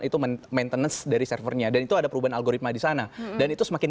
itu maintenance dari servernya dan itu ada perubahan algoritma di sana dan itu semakin